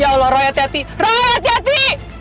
ya allah roy hati hati roy hati hati